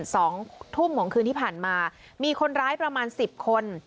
สองทุ่มของคืนที่ผ่านมามีคนร้ายประมาณสิบคน